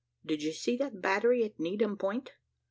Did you see that battery at Needham Point?